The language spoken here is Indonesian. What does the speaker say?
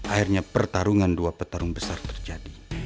akhirnya pertarungan dua petarung besar terjadi